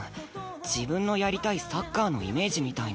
自分のやりたいサッカーのイメージみたいなもん。